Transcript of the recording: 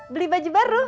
beli baju baru